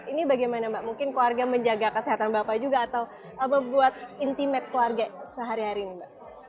ini bagaimana mbak mungkin keluarga menjaga kesehatan bapak juga atau membuat intimate keluarga sehari hari nih mbak